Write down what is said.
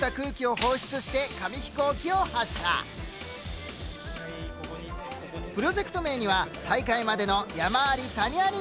プロジェクト名には大会までの山あり谷ありの道のりをもじった。